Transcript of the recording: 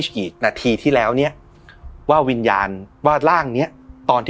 กี่นาทีที่แล้วเนี้ยว่าวิญญาณว่าร่างเนี้ยตอนที่